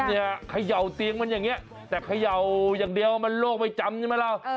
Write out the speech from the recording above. เนี่ยเขย่าเตียงมันอย่างนี้แต่เขย่าอย่างเดียวมันโลกไม่จำใช่ไหมล่ะ